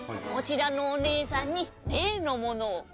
こちらのお姉さんに例のものを」。